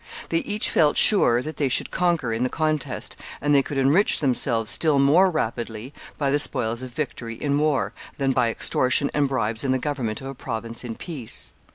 They each felt sure that they should conquer in the contest, and they could enrich themselves still more rapidly by the spoils of victory in war, than by extortion and bribes in the government of a province in peace.